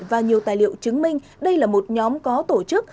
và nhiều tài liệu chứng minh đây là một nhóm có tổ chức